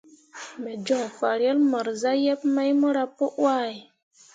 Me joŋ farel mor zah yeb mai mora pǝ wahe.